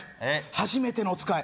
「はじめてのおつかい」